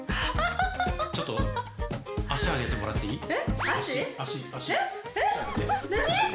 ちょっと、足上げてもらっていいえ？